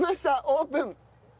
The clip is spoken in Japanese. オープン。